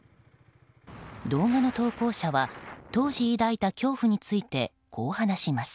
動画の投稿者は当時抱いた恐怖についてこう話します。